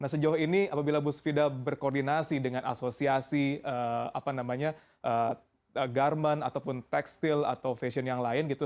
nah sejauh ini apabila bu svida berkoordinasi dengan asosiasi garment ataupun tekstil atau fashion yang lain gitu